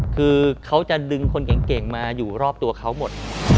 คือเขาจะดึงคนเก่งมาอยู่รอบตัวเขาหมด